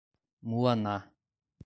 Muaná